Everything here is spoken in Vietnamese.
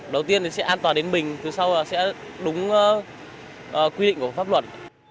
đầu tiên thì sẽ an toàn đến mình từ sau là sẽ đúng quy định của pháp luật